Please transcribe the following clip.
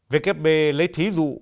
wkb lấy thí dụ